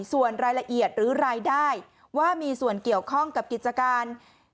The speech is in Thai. ส่วนรายละเอียดหรือรายได้ว่ามีส่วนเกี่ยวข้องกับกิจการ